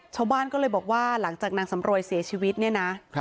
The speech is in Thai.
ชาวบ้านก็เลยบอกว่าหลังจากนางสำรวยเสียชีวิตเนี่ยนะ